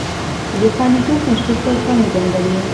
د خوندیتوب نشتون کارخانې بندوي.